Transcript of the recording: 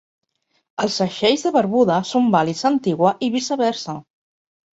Els segells de Barbuda són vàlids a Antigua i viceversa.